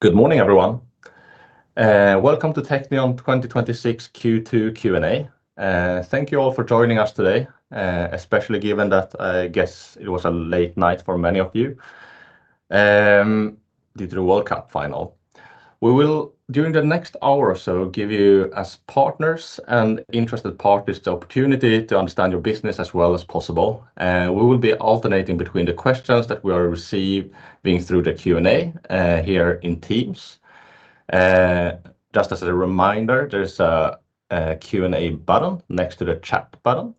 Good morning, everyone. Welcome to Teqnion 2026 Q2 Q&A. Thank you all for joining us today, especially given that I guess it was a late night for many of you due to the World Cup final. We will, during the next hour or so, give you, as partners and interested parties, the opportunity to understand your business as well as possible. We will be alternating between the questions that we have received through the Q&A here in Teams. Just as a reminder, there's a Q&A button next to the chat button,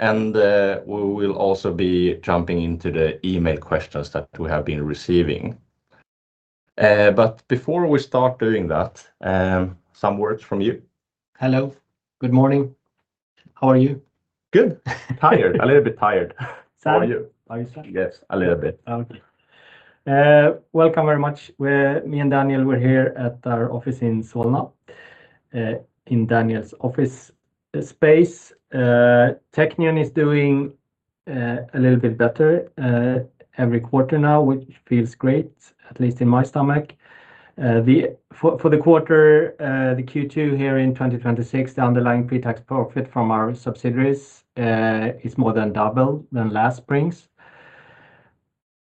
and we will also be jumping into the email questions that we have been receiving. Before we start doing that, some words from you. Hello. Good morning. How are you? Good. A little bit tired. Sad? Are you sad? Yes, a little bit. Okay. Welcome very much. Me and Daniel, we're here at our office in Solna, in Daniel's office space. Teqnion is doing a little bit better every quarter now, which feels great, at least in my stomach. For the quarter, the Q2 here in 2026, the underlying pre-tax profit from our subsidiaries is more than double than last spring's.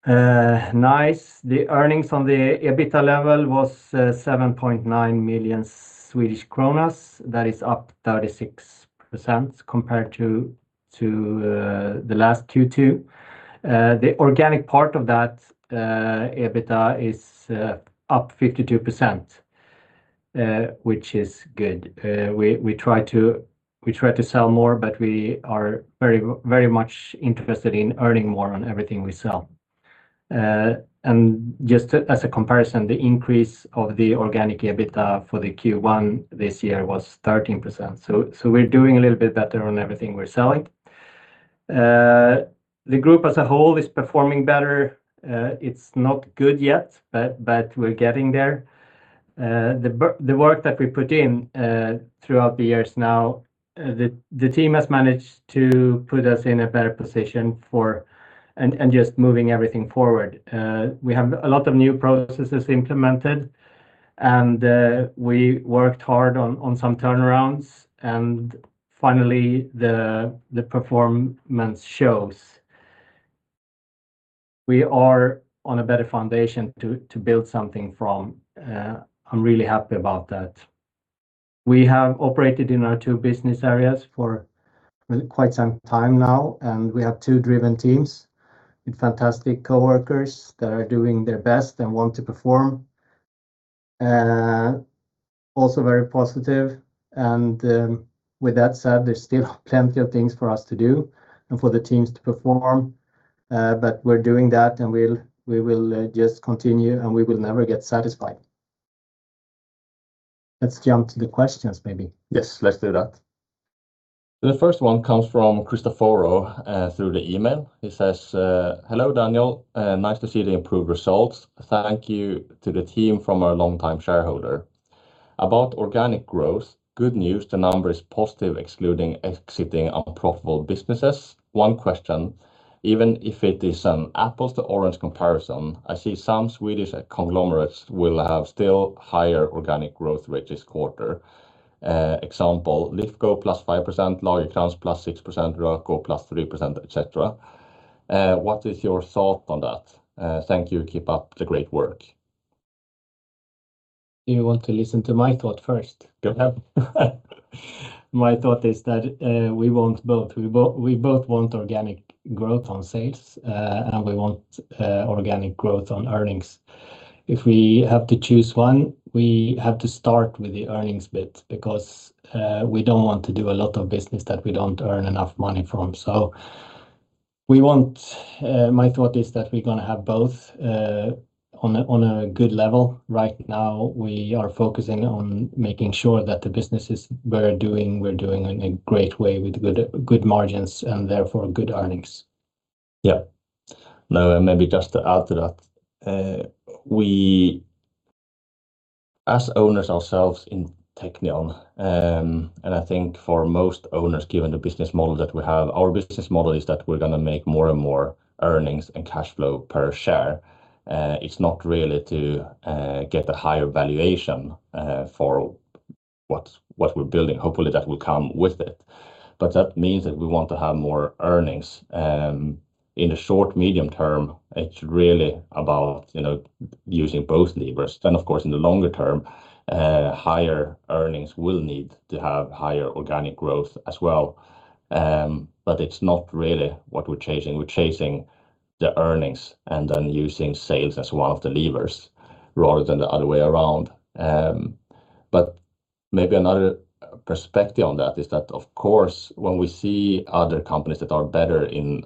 Nice. The earnings on the EBITA level was 7.9 million Swedish kronor. That is up 36% compared to the last Q2. The organic part of that EBITA is up 52%, which is good. We try to sell more, but we are very much interested in earning more on everything we sell. Just as a comparison, the increase of the organic EBITA for the Q1 this year was 13%. We're doing a little bit better on everything we're selling. The group as a whole is performing better. It's not good yet, but we're getting there. The work that we put in throughout the years now, the team has managed to put us in a better position, and just moving everything forward. We have a lot of new processes implemented, and we worked hard on some turnarounds. Finally, the performance shows we are on a better foundation to build something from. I'm really happy about that. We have operated in our two business areas for quite some time now, and we have two driven teams with fantastic coworkers that are doing their best and want to perform. Also very positive. With that said, there's still plenty of things for us to do and for the teams to perform. We're doing that, and we will just continue, and we will never get satisfied. Let's jump to the questions, maybe. Yes, let's do that. The first one comes from Cristoforo through the email. He says: "Hello, Daniel. Nice to see the improved results. Thank you to the team from our longtime shareholder. About organic growth, good news. The number is positive, excluding exiting unprofitable businesses. One question, even if it is an apples to orange comparison, I see some Swedish conglomerates will have still higher organic growth rate this quarter. Example, Lifco +5%, Lagercrantz +6%, Ratos +3%, et cetera. What is your thought on that? Thank you. Keep up the great work. Do you want to listen to my thought first? Go ahead. My thought is that we want both. We both want organic growth on sales, and we want organic growth on earnings. If we have to choose one, we have to start with the earnings bit because we don't want to do a lot of business that we don't earn enough money from. My thought is that we're going to have both on a good level. Right now, we are focusing on making sure that the businesses we're doing, we're doing in a great way with good margins and therefore good earnings. Maybe just to add to that. We, as owners ourselves in Teqnion, and I think for most owners, given the business model that we have, our business model is that we're going to make more and more earnings and cash flow per share. It's not really to get the higher valuation for what we're building. Hopefully, that will come with it. That means that we want to have more earnings. In the short, medium term, it's really about using both levers. Of course, in the longer term, higher earnings will need to have higher organic growth as well. It's not really what we're chasing. We're chasing the earnings and then using sales as one of the levers rather than the other way around. maybe another perspective on that is that, of course, when we see other companies that are better in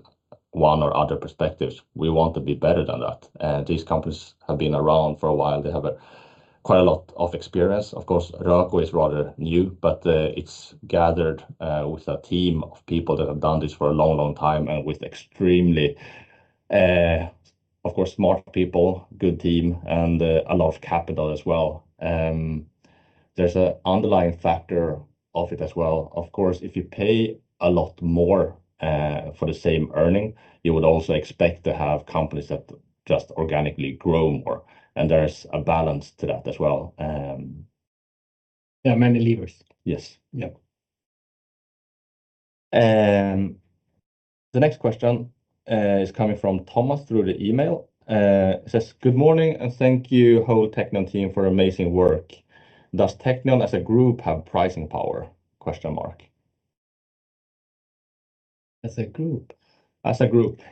one or other perspectives, we want to be better than that. These companies have been around for a while. They have quite a lot of experience. Of course, Ratos is rather new, but it's gathered with a team of people that have done this for a long, long time and with extremely, of course, smart people, good team, and a lot of capital as well. There's an underlying factor of it as well. Of course, if you pay a lot more for the same earning, you would also expect to have companies that just organically grow more, and there's a balance to that as well. Yeah. Many levers. Yes. The next question is coming from Thomas through the email. It says, "Good morning, thank you whole Teqnion team for amazing work. Does Teqnion, as a group, have pricing power? As a group? As a group.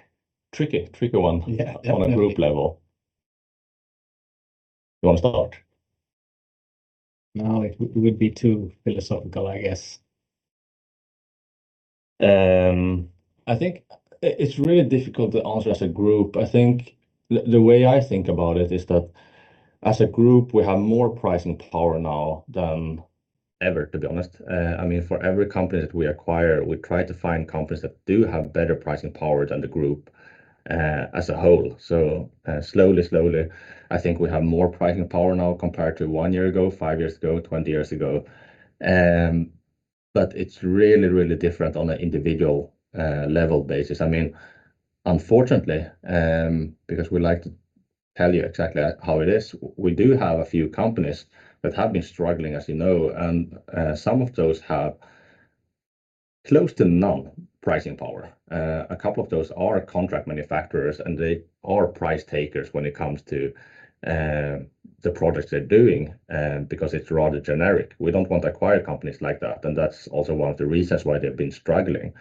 Tricky one. Yeah. Definitely. On a group level. You want to start? No. It would be too philosophical, I guess. I think it's really difficult to answer as a group. The way I think about it is that as a group, we have more pricing power now than ever, to be honest. For every company that we acquire, we try to find companies that do have better pricing power than the group as a whole. Slowly, I think we have more pricing power now compared to one year ago, five years ago, 20 years ago. It's really different on an individual level basis. Unfortunately, because we like to tell you exactly how it is, we do have a few companies that have been struggling, as you know, and some of those have close to none pricing power. A couple of those are contract manufacturers, and they're price takers when it comes to the projects they're doing, because it's rather generic. We don't want to acquire companies like that, and that's also one of the reasons why they've been struggling.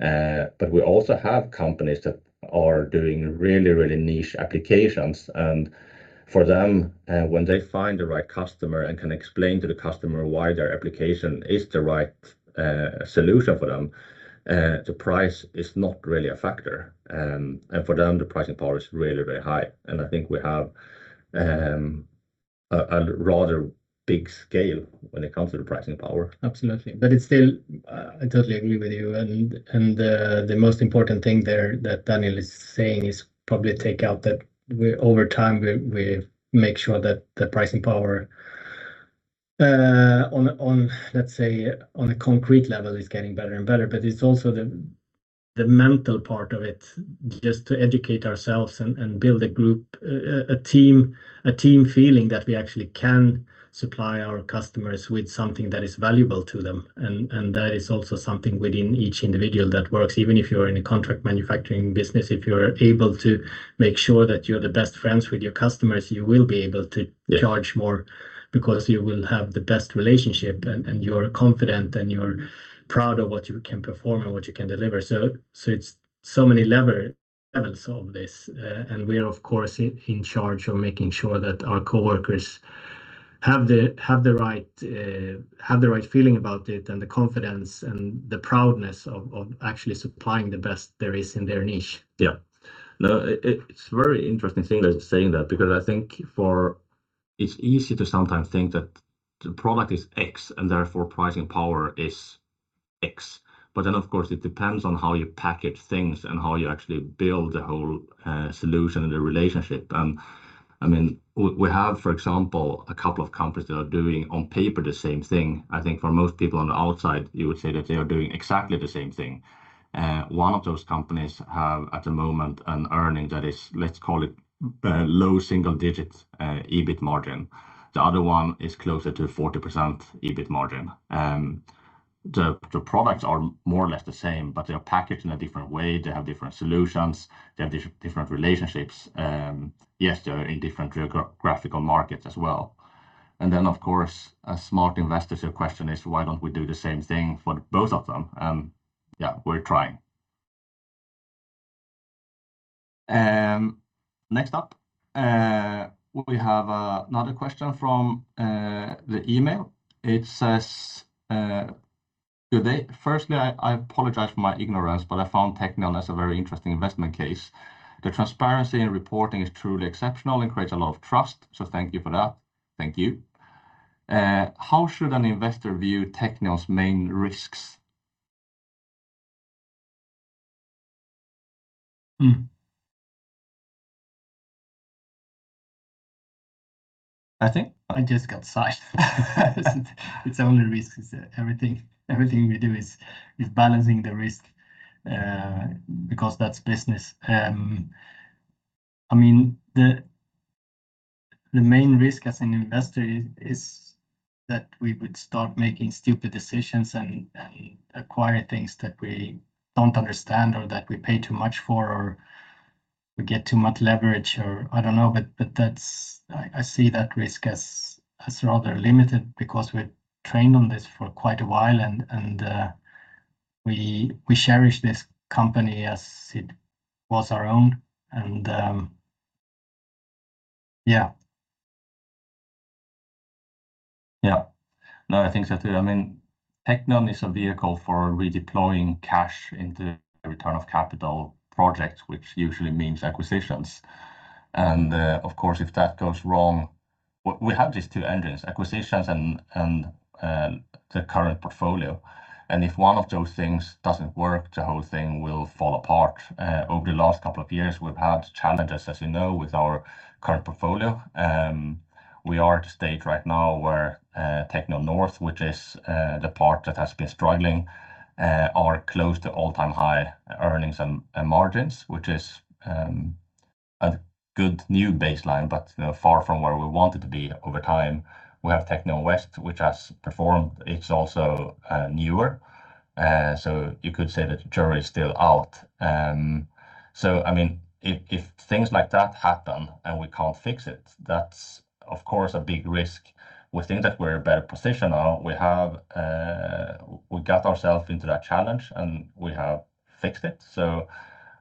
We also have companies that are doing really niche applications. For them, when they find the right customer and can explain to the customer why their application is the right solution for them, the price is not really a factor. For them, the pricing power is really high. I think we have a rather big scale when it comes to the pricing power. Absolutely. I totally agree with you. The most important thing there that Daniel is saying is probably take out that over time, we make sure that the pricing power, let's say on a concrete level, is getting better and better. It's also the mental part of it, just to educate ourselves and build a group, a team feeling that we actually can supply our customers with something that is valuable to them. That is also something within each individual that works, even if you're in a contract manufacturing business. If you're able to make sure that you're the best friends with your customers, you will be able to charge more because you will have the best relationship, and you're confident, and you're proud of what you can perform and what you can deliver. It's so many levels of this. We are, of course, in charge of making sure that our coworkers have the right feeling about it and the confidence and the proudness of actually supplying the best there is in their niche. It's a very interesting thing that you're saying that because I think it's easy to sometimes think that the product is X, and therefore pricing power is X. Of course, it depends on how you package things and how you actually build the whole solution and the relationship. We have, for example, a couple of companies that are doing, on paper, the same thing. I think for most people on the outside, you would say that they are doing exactly the same thing. One of those companies have, at the moment, an earning that is, let's call it low single-digit EBIT margin. The other one is closer to 40% EBIT margin. The products are more or less the same, but they are packaged in a different way. They have different solutions. They have different relationships. They're in different geographical markets as well. Of course, a smart investor's question is, why don't we do the same thing for both of them? We're trying. Next up, we have another question from the email. It says, "Firstly, I apologize for my ignorance, I found Teqnion as a very interesting investment case. The transparency in reporting is truly exceptional and creates a lot of trust, thank you for that." Thank you. "How should an investor view Teqnion's main risks? I just got sighed. Its only risk is everything we do is balancing the risk, because that's business. The main risk as an investor is that we would start making stupid decisions and acquire things that we don't understand or that we pay too much for, or we get too much leverage, or I don't know. I see that risk as rather limited because we trained on this for quite a while, and we cherish this company as it was our own. I think so too. Teqnion is a vehicle for redeploying cash into return of capital projects, which usually means acquisitions. Of course, if that goes wrong, we have these two engines, acquisitions and the current portfolio, and if one of those things doesn't work, the whole thing will fall apart. Over the last couple of years, we've had challenges, as you know, with our current portfolio. We are at a stage right now where Teqnion Nord, which is the part that has been struggling, are close to all-time high earnings and margins, which is a good new baseline, but far from where we want it to be over time. We have Teqnion Väst, which has performed. It's also newer. You could say the jury is still out. If things like that happen and we can't fix it, that's of course a big risk. We think that we're in a better position now. We got ourselves into that challenge, and we have fixed it.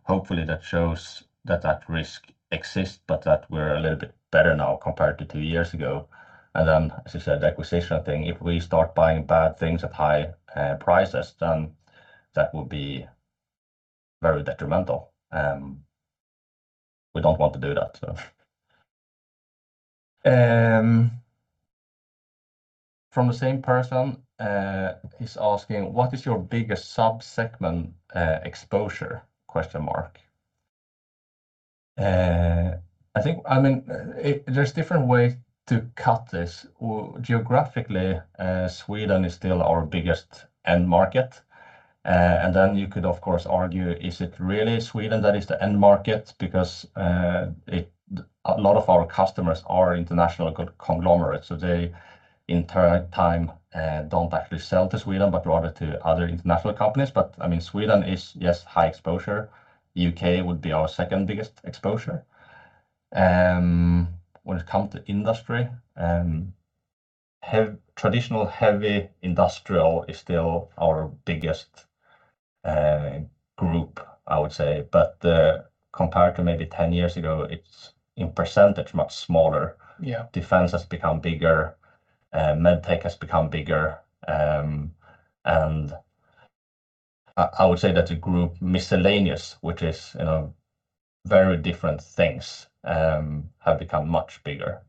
Hopefully that shows that that risk exists, but that we're a little bit better now compared to two years ago. As you said, the acquisition thing, if we start buying bad things at high prices, then that will be very detrimental. We don't want to do that. From the same person, he's asking, "What is your biggest sub-segment exposure?" I think there's different ways to cut this. Geographically, Sweden is still our biggest end market. You could, of course, argue, is it really Sweden that is the end market? Because a lot of our customers are international conglomerates, so they in turn don't actually sell to Sweden, but rather to other international companies. Sweden is, yes, high exposure. U.K. would be our second-biggest exposure. When it comes to industry, traditional heavy industrial is still our biggest group, I would say. Compared to maybe 10 years ago, it's in % much smaller. Defense has become bigger. MedTech has become bigger. I would say that the group miscellaneous, which is very different things, have become much bigger.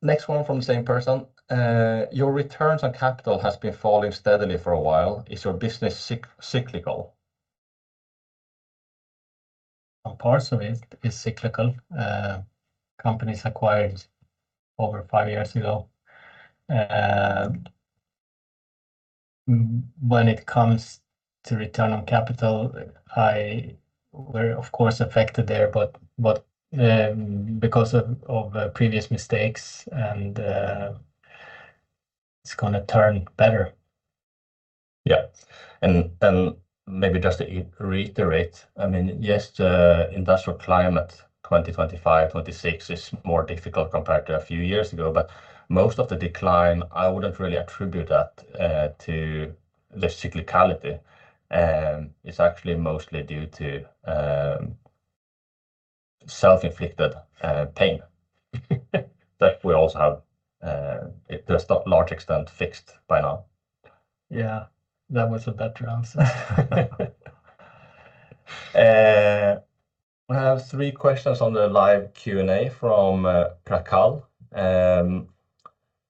Next one from the same person. "Your returns on capital has been falling steadily for a while. Is your business cyclical? A part of it is cyclical. Companies acquired over five years ago. When it comes to return on capital, we're of course affected there, but because of previous mistakes, and it's going to turn better. Yeah. Maybe just to reiterate, yes, the industrial climate 2025, 2026 is more difficult compared to a few years ago. Most of the decline, I wouldn't really attribute that to the cyclicality. It's actually mostly due to self-inflicted pain that we also have to a large extent fixed by now. Yeah. That was a better answer. I have three questions on the live Q&A from Prakal.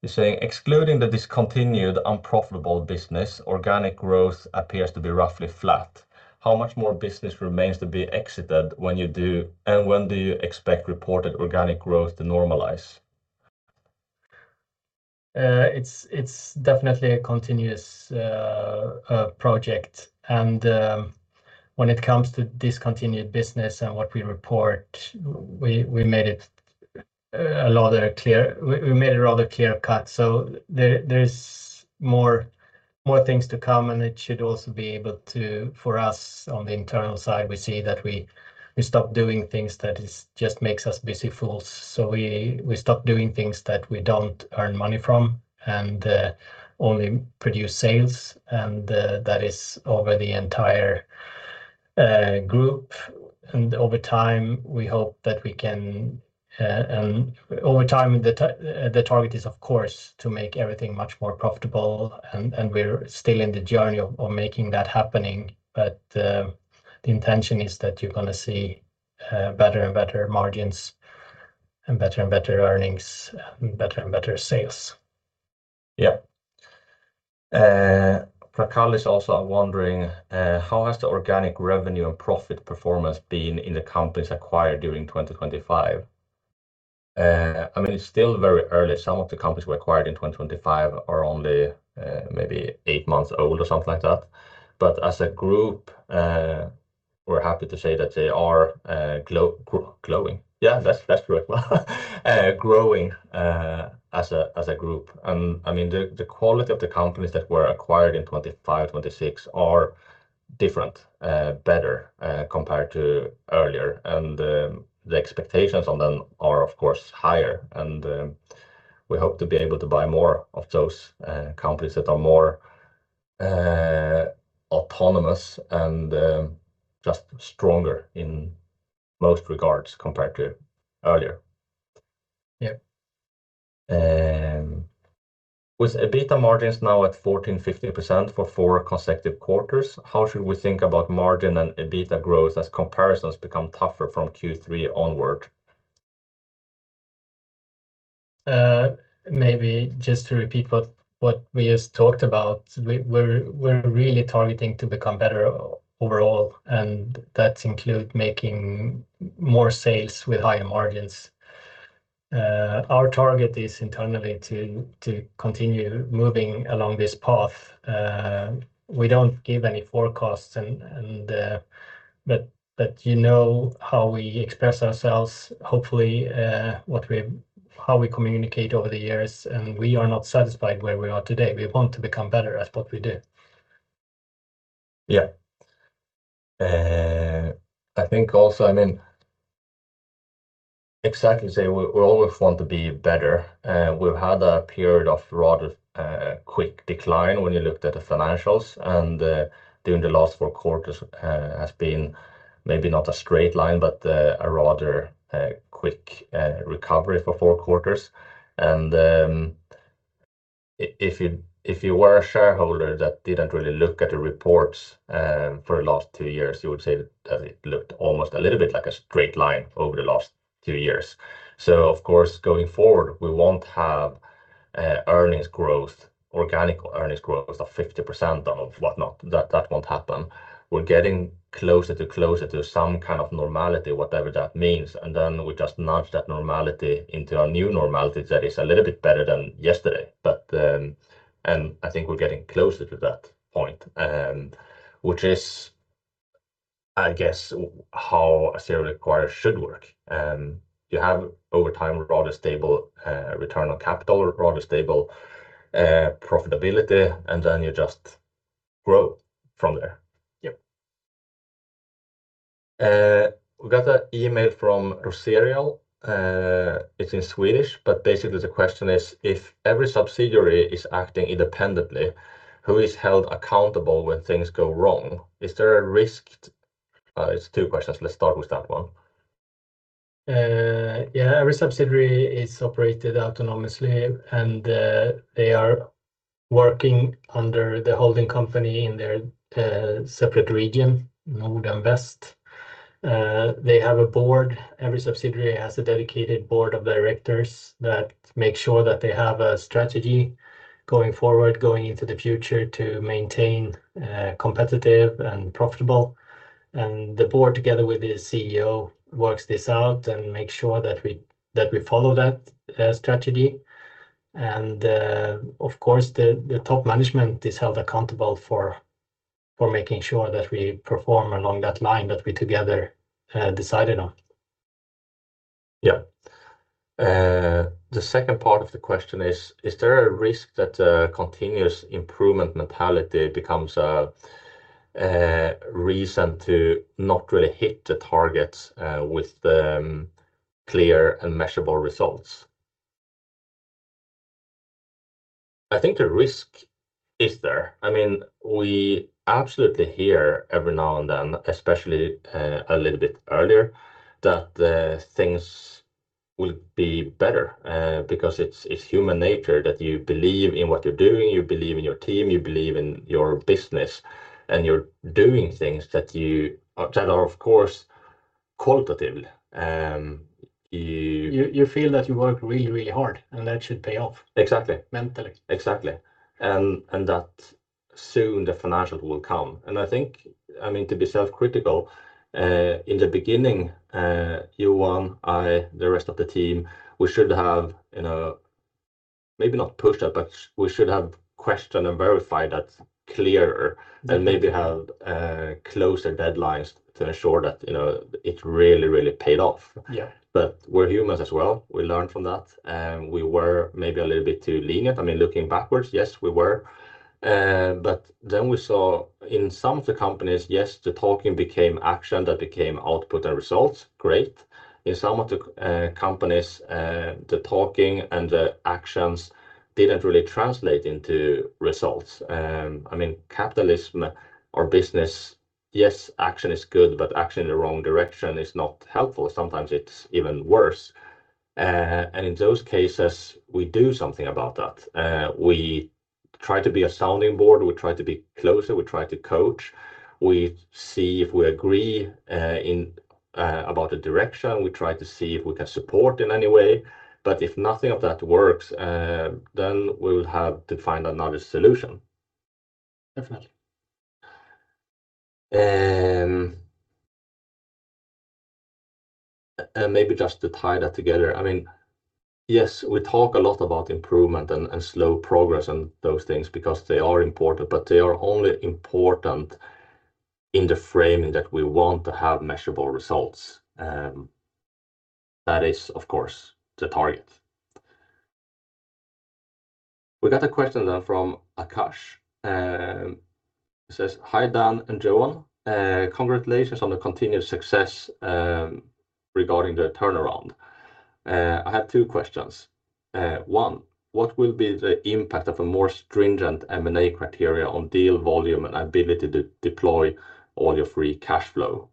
He's saying, "Excluding the discontinued unprofitable business, organic growth appears to be roughly flat. How much more business remains to be exited when you do, and when do you expect reported organic growth to normalize? It's definitely a continuous project, when it comes to discontinued business and what we report, we made it rather clear cut. There's more things to come, and it should also be able to, for us on the internal side, we see that we stop doing things that just makes us busy fools. We stop doing things that we don't earn money from and only produce sales, and that is over the entire group. Over time, the target is, of course, to make everything much more profitable, and we're still in the journey of making that happening. The intention is that you're going to see better and better margins and better and better earnings, and better and better sales. Prakal is also wondering, "How has the organic revenue and profit performance been in the companies acquired during 2025?" It's still very early. Some of the companies we acquired in 2025 are only maybe eight months old or something like that. As a group, we're happy to say that they are growing. Growing as a group. The quality of the companies that were acquired in 2025, 2026 are different, better, compared to earlier. The expectations on them are, of course, higher. We hope to be able to buy more of those companies that are more autonomous and just stronger in most regards compared to earlier. With EBITDA margins now at 14%-15% for four consecutive quarters, how should we think about margin and EBITDA growth as comparisons become tougher from Q3 onward? Maybe just to repeat what we just talked about. We're really targeting to become better overall, that includes making more sales with higher margins. Our target is internally to continue moving along this path. We don't give any forecasts, you know how we express ourselves, hopefully, how we communicate over the years, we are not satisfied where we are today. We want to become better at what we do. Yeah. I think also, exactly, we always want to be better. We've had a period of rather quick decline when you looked at the financials, and during the last four quarters has been maybe not a straight line, but a rather quick recovery for four quarters. If you were a shareholder that didn't really look at the reports for the last two years, you would say that it looked almost a little bit like a straight line over the last two years. Of course, going forward, we won't have earnings growth, organic earnings growth of 50% or whatnot. That won't happen. We're getting closer to some kind of normality, whatever that means, and then we just nudge that normality into a new normality that is a little bit better than yesterday. I think we're getting closer to that point, which is, I guess, how a serial acquirer should work. You have, over time, a rather stable return on capital, rather stable profitability, and then you just grow from there. We got an email from [Roserial]. It's in Swedish, but basically the question is, "If every subsidiary is acting independently, who is held accountable when things go wrong? Is there a risk" It's two questions. Let's start with that one. Yeah. Every subsidiary is operated autonomously, and they are working under the holding company in their separate region, Nord and Väst. They have a board. Every subsidiary has a dedicated board of directors that makes sure that they have a strategy going forward, going into the future to maintain competitive and profitable. The board, together with the CEO, works this out and makes sure that we follow that strategy. Of course, the top management is held accountable for making sure that we perform along that line that we together decided on. Yeah. The second part of the question is, "Is there a risk that a continuous improvement mentality becomes a reason to not really hit the targets with clear and measurable results?" I think the risk is there. We absolutely hear every now and then, especially a little bit earlier, that things will be better, because it's human nature that you believe in what you're doing, you believe in your team, you believe in your business, and you're doing things that are, of course, qualitative. You feel that you work really, really hard, and that should pay off mentally. Exactly. That soon the financial will come. I think, to be self-critical, in the beginning, you, I, the rest of the team, we should have maybe not pushed that, but we should have questioned and verified that clearer and maybe had closer deadlines to ensure that it really, really paid off. We're humans as well. We learn from that. We were maybe a little bit too lenient. Looking backwards, yes, we were. We saw in some of the companies, yes, the talking became action, that became output and results. Great. In some of the companies, the talking and the actions didn't really translate into results. Capitalism or business, yes, action is good, but action in the wrong direction is not helpful. Sometimes it's even worse. In those cases, we do something about that. We try to be a sounding board. We try to be closer. We try to coach. We see if we agree about the direction. We try to see if we can support in any way. If nothing of that works, then we will have to find another solution. Definitely. Maybe just to tie that together. Yes, we talk a lot about improvement and slow progress and those things because they are important, but they are only important in the framing that we want to have measurable results. That is, of course, the target. We got a question from Akash. It says, "Hi, Dan and Johan. Congratulations on the continued success regarding the turnaround. I have two questions. 1, what will be the impact of a more stringent M&A criteria on deal volume and ability to deploy all your free cash flow?"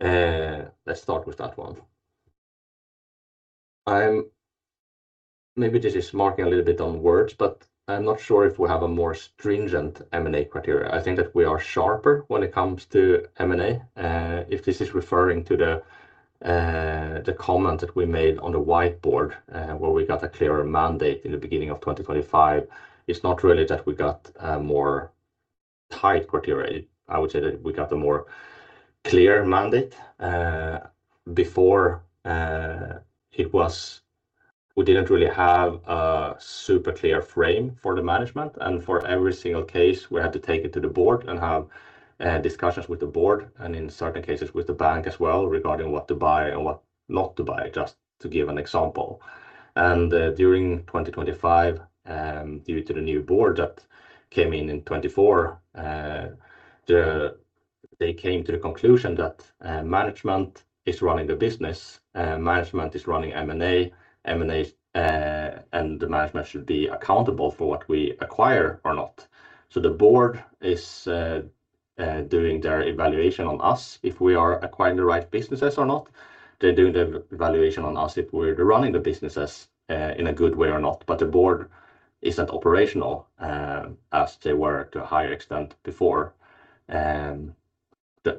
Let's start with that one. Maybe this is marking a little bit on words, but I'm not sure if we have a more stringent M&A criteria. I think that we are sharper when it comes to M&A. If this is referring to the comment that we made on the whiteboard, where we got a clearer mandate in the beginning of 2025, it's not really that we got a more tight criteria. I would say that we got a more clear mandate. Before, we didn't really have a super clear frame for the management and for every single case, we had to take it to the board and have discussions with the board and in certain cases with the bank as well regarding what to buy and what not to buy, just to give an example. During 2025, due to the new board that came in in 2024, they came to the conclusion that management is running the business, management is running M&A, and the management should be accountable for what we acquire or not. The board is doing their evaluation on us if we are acquiring the right businesses or not. They're doing the evaluation on us if we're running the businesses in a good way or not, but the board isn't operational, as they were to a higher extent before.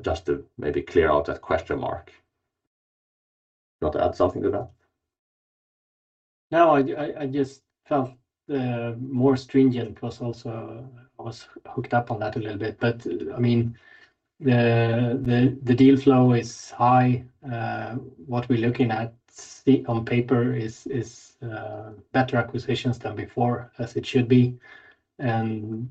Just to maybe clear out that question mark. You want to add something to that? I just felt the more stringent, I was hooked up on that a little bit. The deal flow is high. What we're looking at on paper is better acquisitions than before, as it should be, and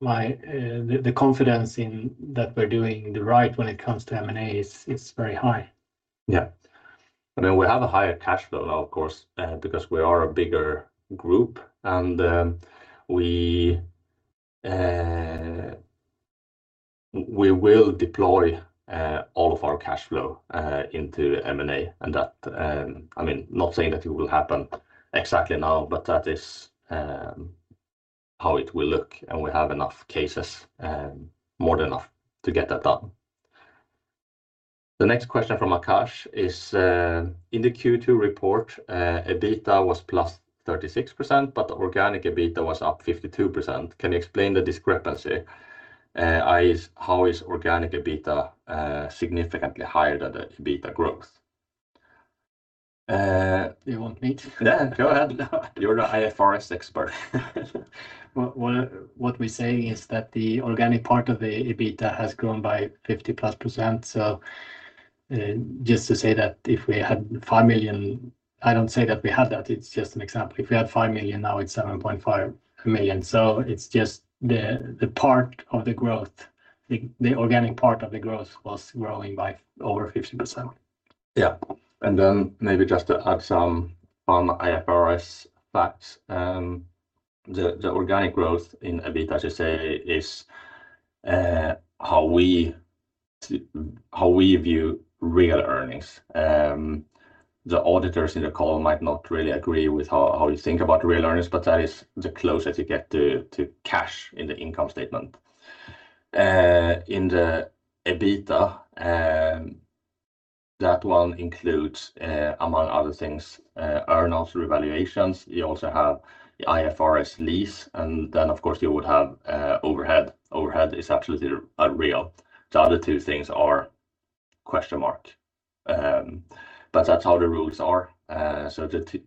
the confidence that we're doing the right when it comes to M&A is very high. Yeah. We have a higher cash flow now, of course, because we are a bigger group, and we will deploy all of our cash flow into M&A. Not saying that it will happen exactly now, but that is how it will look, and we have enough cases, more than enough, to get that done. The next question from Akash is: In the Q2 report, EBITDA was plus 36%, but organic EBITDA was up 52%. Can you explain the discrepancy? How is organic EBITDA significantly higher than the EBITDA growth? You want me to? Yeah, go ahead. No. You're the IFRS expert. What we're saying is that the organic part of the EBITDA has grown by 50-plus %. Just to say that if we had 5 million, I don't say that we have that, it's just an example. If we had 5 million, now it's 7.5 million, it's just the part of the growth. The organic part of the growth was growing by over 50%. Yeah. Then maybe just to add some fun IFRS facts. The organic growth in EBITDA, as you say, is how we view real earnings. The auditors in the call might not really agree with how you think about real earnings, but that is the closest you get to cash in the income statement. In the EBITDA, that one includes, among other things, earn-outs revaluations. You also have the IFRS lease, and then, of course, you would have overhead. Overhead is absolutely real. The other two things are question mark. That's how the rules are.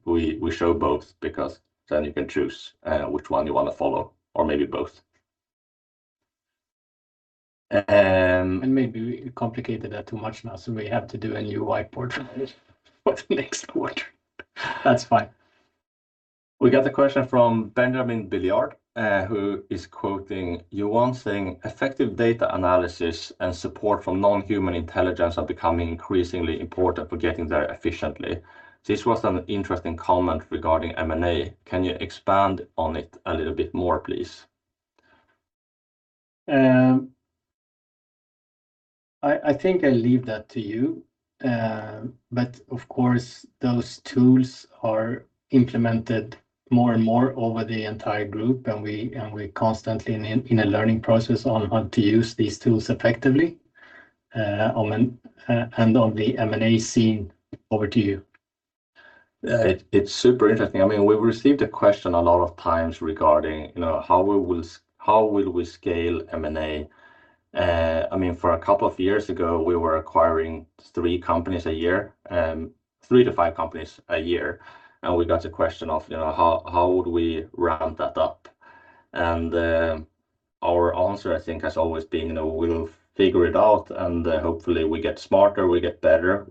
We show both because then you can choose which one you want to follow, or maybe both. Maybe we complicated that too much now, we have to do a new whiteboard for the next quarter. That's fine. We got a question from Benjamin Billiard, who is quoting Johan saying, "Effective data analysis and support from non-human intelligence are becoming increasingly important for getting there efficiently." This was an interesting comment regarding M&A. Can you expand on it a little bit more, please? I think I leave that to you. Of course, those tools are implemented more and more over the entire group, and we're constantly in a learning process on how to use these tools effectively and on the M&A scene. Over to you. It's super interesting. We've received a question a lot of times regarding how will we scale M&A. For a couple of years ago, we were acquiring three to five companies a year, and we got a question of how would we ramp that up. Our answer, I think, has always been, we'll figure it out, and hopefully we get smarter, we get better.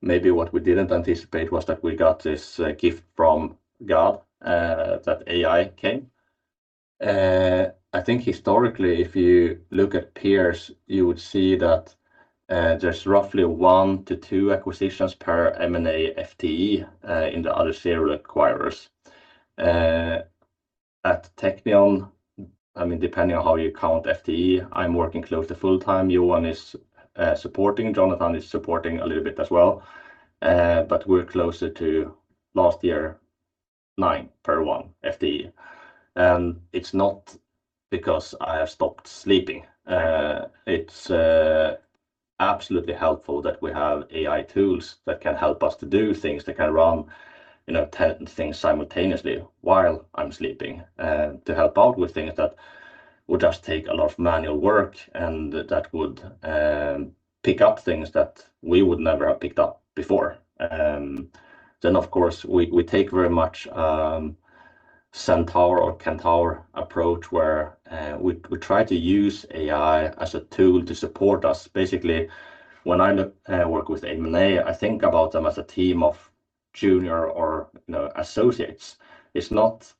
Maybe what we didn't anticipate was that we got this gift from God, that AI came. I think historically, if you look at peers, you would see that there's roughly one to two acquisitions per M&A FTE in the other serial acquirers. At Teqnion, depending on how you count FTE, I'm working close to full-time. Johan is supporting, Jonathan is supporting a little bit as well. We're closer to last year, nine per one FTE. It's not because I have stopped sleeping. It's absolutely helpful that we have AI tools that can help us to do things, that can run 10 things simultaneously while I'm sleeping, to help out with things that would just take a lot of manual work, and that would pick up things that we would never have picked up before. Of course, we take very much Centaur or Centaur approach, where we try to use AI as a tool to support us. Basically, when I work with M&A, I think about them as a team of junior or associates. It's not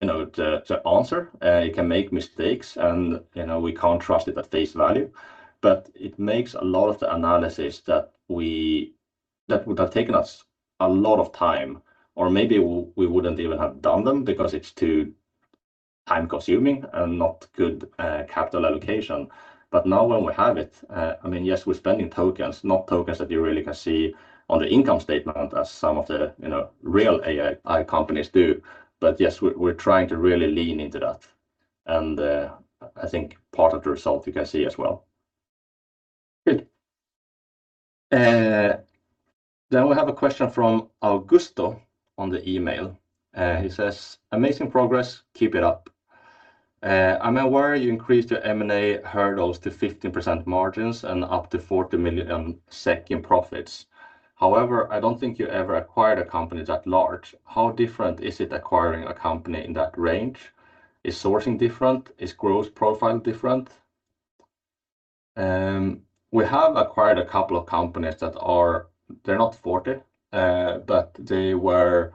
the answer. It can make mistakes, and we can't trust it at face value, but it makes a lot of the analysis that would have taken us a lot of time, or maybe we wouldn't even have done them because it's too time-consuming and not good capital allocation. Now when we have it, yes, we're spending tokens, not tokens that you really can see on the income statement as some of the real AI companies do. Yes, we're trying to really lean into that. I think part of the result you can see as well. Good. We have a question from Augusto on the email. He says, "Amazing progress. Keep it up. I'm aware you increased your M&A hurdles to 15% margins and up to 40 million in profits. However, I don't think you ever acquired a company that large. How different is it acquiring a company in that range? Is sourcing different? Is growth profile different?" We have acquired a couple of companies that are-- They're not 40, but they were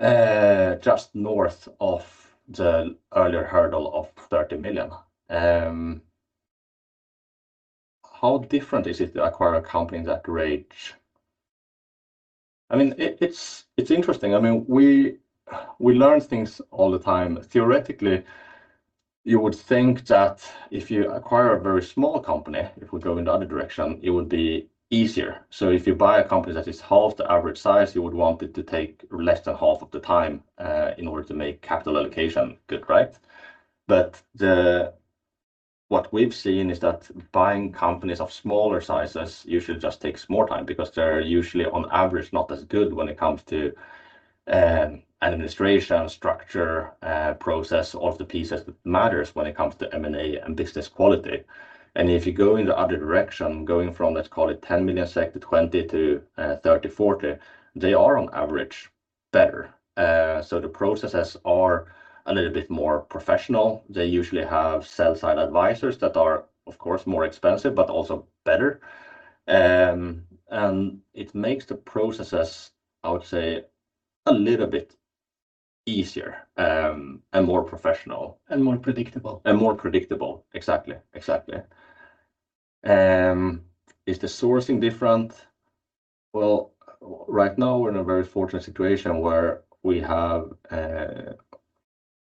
just north of the earlier hurdle of 30 million. How different is it to acquire a company in that range? It's interesting. We learn things all the time. Theoretically, you would think that if you acquire a very small company, if we go in the other direction, it would be easier. If you buy a company that is half the average size, you would want it to take less than half of the time in order to make capital allocation good, right? What we've seen is that buying companies of smaller sizes usually just takes more time because they're usually, on average, not as good when it comes to administration, structure, process, all of the pieces that matters when it comes to M&A and business quality. If you go in the other direction, going from, let's call it 10 million SEK to 20 million to 30 million, 40 million, they are on average better. The processes are a little bit more professional. They usually have sell-side advisors that are, of course, more expensive but also better. It makes the processes, I would say, a little bit easier and more professional. More predictable. More predictable. Exactly. Is the sourcing different? Right now we're in a very fortunate situation where we have,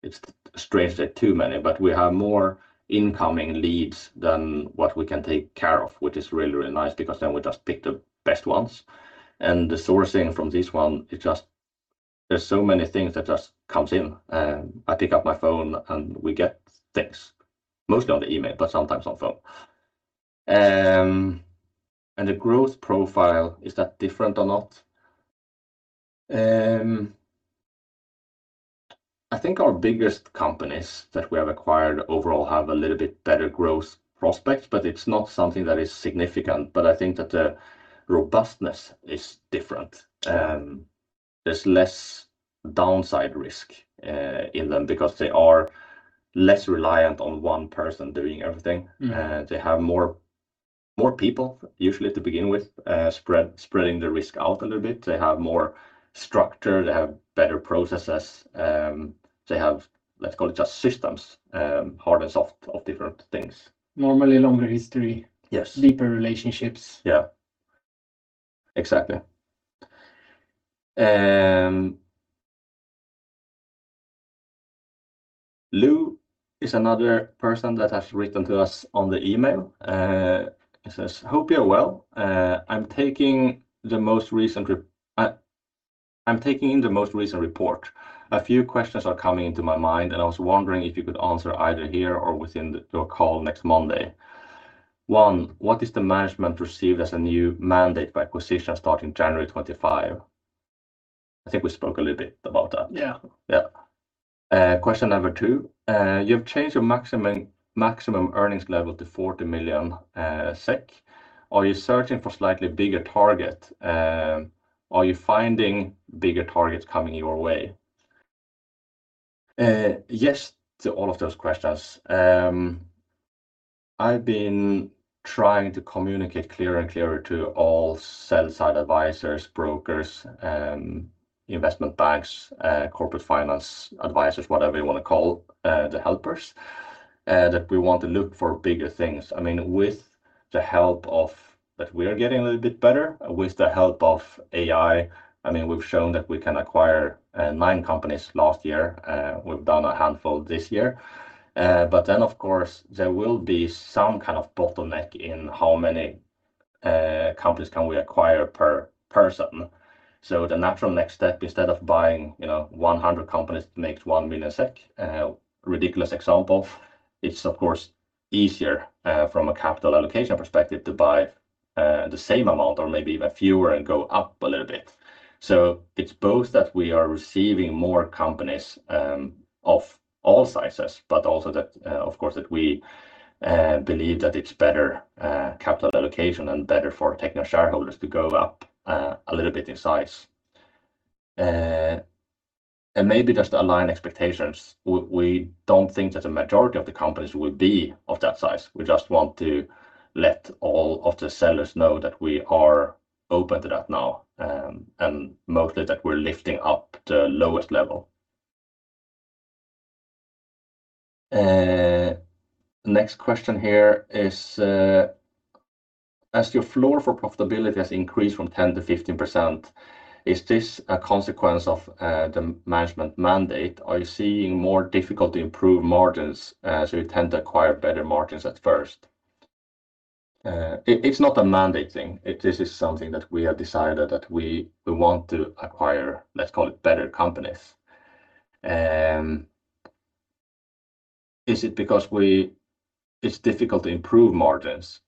it's strange to say too many, but we have more incoming leads than what we can take care of, which is really, really nice because then we just pick the best ones. The sourcing from this one, there's so many things that just comes in. I pick up my phone and we get things, mostly on the email, but sometimes on phone. The growth profile, is that different or not? I think our biggest companies that we have acquired overall have a little bit better growth prospects, but it's not something that is significant. I think that the robustness is different. There's less downside risk in them because they are less reliant on one person doing everything. They have more people, usually to begin with, spreading the risk out a little bit. They have more structure. They have better processes. They have, let's call it, just systems, hard and soft of different things. Normally longer history. Yes. Deeper relationships. Yeah. Exactly. Lou is another person that has written to us on the email. He says, "Hope you're well. I'm taking in the most recent report. A few questions are coming into my mind, and I was wondering if you could answer either here or within your call next Monday. One, what is the management perceived as a new mandate by acquisition starting January 2025?" I think we spoke a little bit about that. Yeah. Yeah. Question number two: "You've changed your maximum earnings level to 40 million SEK. Are you searching for slightly bigger target? Are you finding bigger targets coming your way?" Yes to all of those questions. I've been trying to communicate clearer and clearer to all sell-side advisors, brokers, investment banks, corporate finance advisors, whatever you want to call the helpers, that we want to look for bigger things. With the help of that, we are getting a little bit better with the help of AI. We've shown that we can acquire nine companies last year. We've done a handful this year. Of course, there will be some kind of bottleneck in "How many companies can we acquire per person?" The natural next step, instead of buying 100 companies to make 1 million SEK. Ridiculous example, it's of course easier from a capital allocation perspective to buy the same amount or maybe even fewer and go up a little bit. It's both that we are receiving more companies of all sizes, but also that, of course, that we believe that it's better capital allocation and better for Teqnion shareholders to go up a little bit in size. Maybe just to align expectations, we don't think that the majority of the companies will be of that size. We just want to let all of the sellers know that we are open to that now, and mostly that we're lifting up the lowest level. Next question here is, "As your floor for profitability has increased from 10% to 15%, is this a consequence of the management mandate? Are you seeing more difficulty improved margins as you tend to acquire better margins at first?" It's not a mandate thing. This is something that we have decided that we want to acquire, let's call it better companies. Is it because it's difficult to improve margins?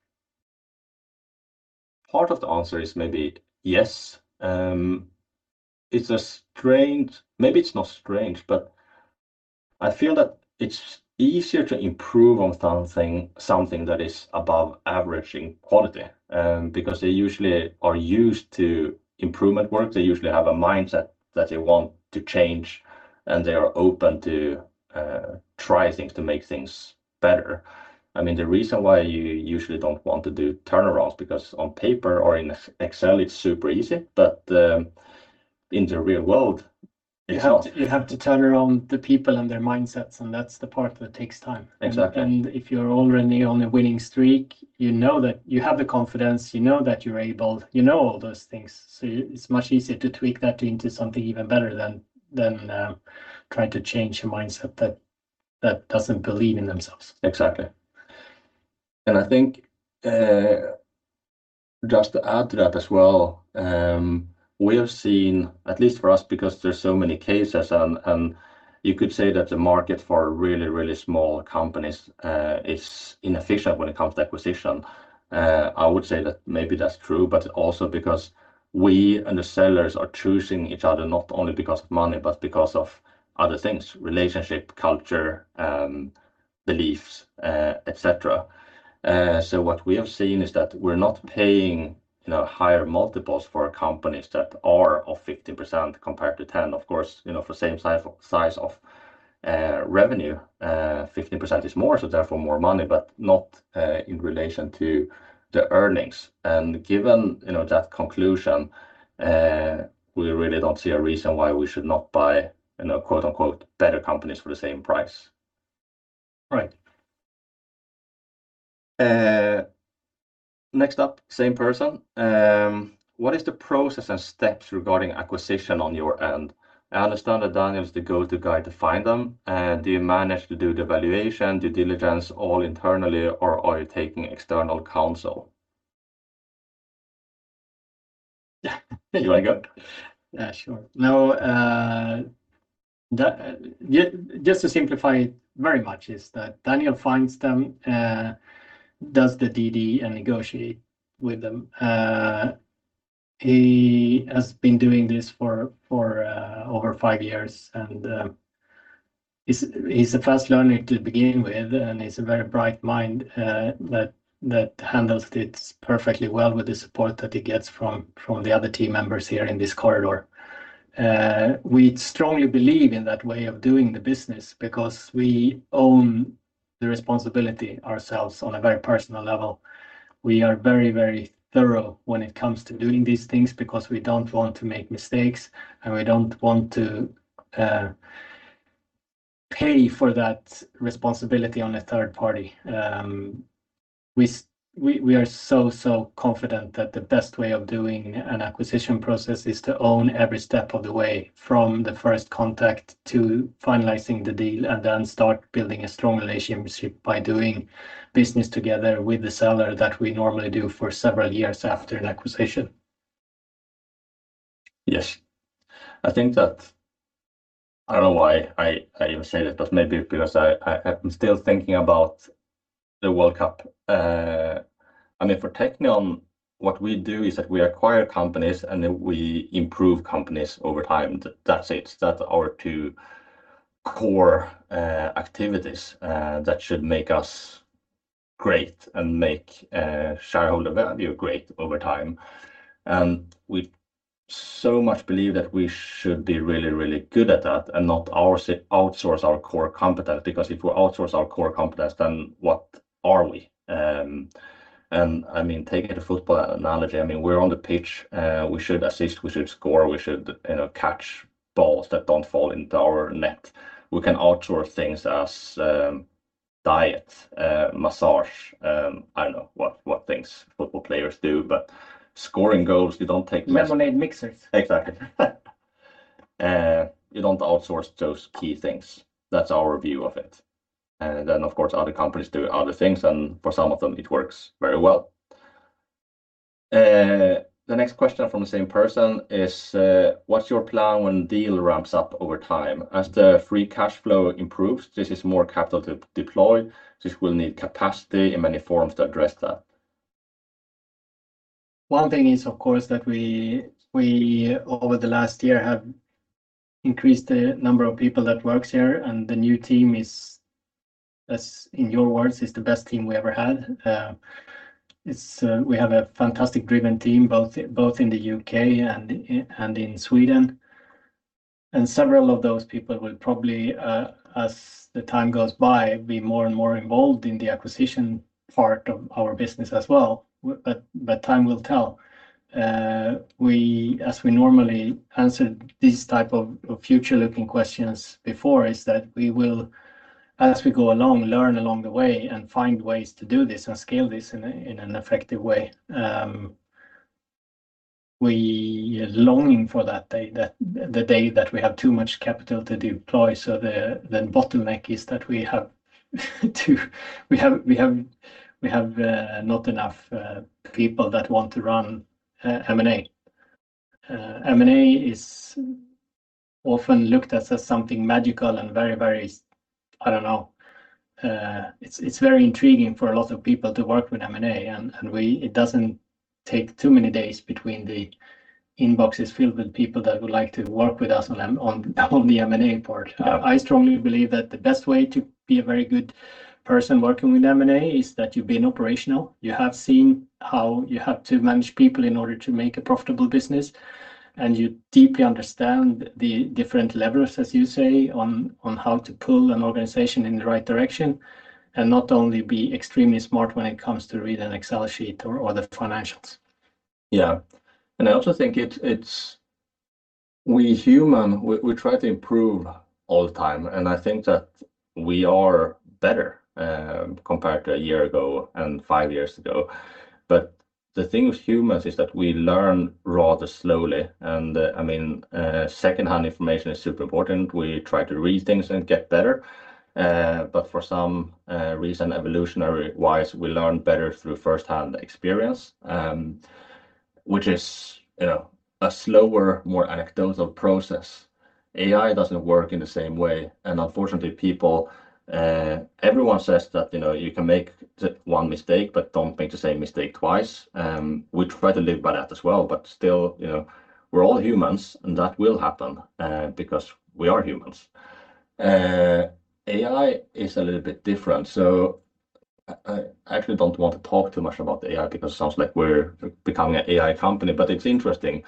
Part of the answer is maybe yes. Maybe it's not strange, but I feel that it's easier to improve on something that is above average in quality, because they usually are used to improvement work. They usually have a mindset that they want to change, and they are open to try things to make things better. The reason why you usually don't want to do turnarounds, because on paper or in Excel, it's super easy, but in the real world, it's not. You have to turn around the people and their mindsets, and that's the part that takes time. Exactly. If you're already on a winning streak, you have the confidence, you know that you're able, you know all those things. It's much easier to tweak that into something even better than trying to change a mindset that doesn't believe in themselves. Exactly. I think, just to add to that as well, we have seen, at least for us, because there's so many cases, and you could say that the market for really, really small companies is inefficient when it comes to acquisition. I would say that maybe that's true, but also because we and the sellers are choosing each other not only because of money but because of other things, relationship, culture, beliefs, et cetera. What we have seen is that we're not paying higher multiples for companies that are of 15% compared to 10%. Of course, for same size of revenue, 15% is more, so therefore more money, but not in relation to the earnings. Given that conclusion, we really don't see a reason why we should not buy "better companies" for the same price. Right. Next up, same person. "What is the process and steps regarding acquisition on your end? I understand that Daniel is the go-to guy to find them. Do you manage to do the valuation, due diligence all internally, or are you taking external counsel?" You want to go? Yeah, sure. Just to simplify it very much is that Daniel finds them, does the DD, negotiate with them. He has been doing this for over five years, he's a fast learner to begin with, he's a very bright mind that handles it perfectly well with the support that he gets from the other team members here in this corridor. We strongly believe in that way of doing the business because we own the responsibility ourselves on a very personal level. We are very thorough when it comes to doing these things because we don't want to make mistakes, we don't want to pay for that responsibility on a third party. We are so confident that the best way of doing an acquisition process is to own every step of the way, from the first contact to finalizing the deal, then start building a strong relationship by doing business together with the seller that we normally do for several years after an acquisition. Yes. I don't know why I even say this, maybe because I'm still thinking about the World Cup. For Teqnion, what we do is that we acquire companies, then we improve companies over time. That's it. That's our two core activities that should make us great and make shareholder value great over time. We so much believe that we should be really good at that and not outsource our core competence, because if we outsource our core competence, what are we? Taking the football analogy, we're on the pitch. We should assist, we should score, we should catch balls that don't fall into our net. We can outsource things as diet, massage. I don't know what things football players do, scoring goals. Lemonade mixers. Then, of course, other companies do other things, and for some of them it works very well. The next question from the same person is: What's your plan when deal ramps up over time? As the free cash flow improves, this is more capital to deploy. This will need capacity in many forms to address that. One thing is, of course, that we, over the last year, have increased the number of people that works here, and the new team is, as in your words, is the best team we ever had. We have a fantastic driven team, both in the U.K. and in Sweden. Several of those people will probably, as the time goes by, be more and more involved in the acquisition part of our business as well. Time will tell. As we normally answered this type of future-looking questions before is that we will, as we go along, learn along the way and find ways to do this and scale this in an effective way. We longing for the day that we have too much capital to deploy. Bottleneck is that we have not enough people that want to run M&A. M&A is often looked as something magical and very, it's very intriguing for a lot of people to work with M&A. It doesn't take too many days between the inboxes filled with people that would like to work with us on the M&A part. I strongly believe that the best way to be a very good person working with M&A is that you've been operational. You have seen how you have to manage people in order to make a profitable business, and you deeply understand the different levers, as you say, on how to pull an organization in the right direction and not only be extremely smart when it comes to read an Excel sheet or the financials. Yeah. I also think we human, we try to improve all the time, and I think that we are better compared to a year ago and five years ago. The thing with humans is that we learn rather slowly, and secondhand information is super important. We try to read things and get better. For some reason, evolutionary-wise, we learn better through firsthand experience, which is a slower, more anecdotal process. AI doesn't work in the same way. Unfortunately, everyone says that you can make one mistake but don't make the same mistake twice. We try to live by that as well. Still, we're all humans and that will happen because we are humans. AI is a little bit different. I actually don't want to talk too much about the AI because it sounds like we're becoming an AI company. It's interesting.